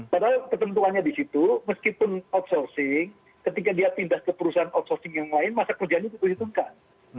padahal kepentuannya di situ meskipun outsourcing ketika dia pindah ke perusahaan outsourcing yang lain masa kerjaannya itu dihitungkan